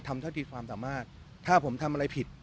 เท่าที่ความสามารถถ้าผมทำอะไรผิด